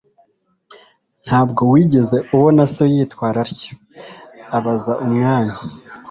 Ntabwo wigeze ubona so yitwara atyo?" abaza umwami.